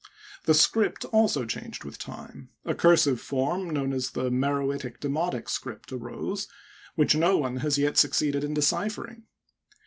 The script also changed with time ; a cursive form known as the "Meroitic Demotic script " arose, which no one has yet succeeded in deciphering.